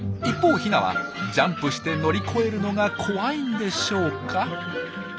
一方ヒナはジャンプして乗り越えるのが怖いんでしょうか。